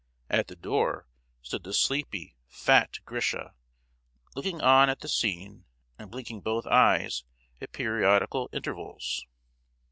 At the door stood the sleepy, fat Grisha, looking on at the scene, and blinking both eyes at periodical intervals.